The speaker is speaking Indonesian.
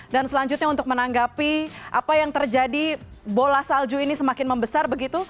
dan selanjutnya untuk menanggapi apa yang terjadi bola salju ini semakin membesar begitu